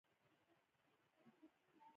تولې وهل د شپون هنر دی.